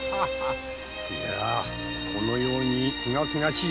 このようにすがすがしい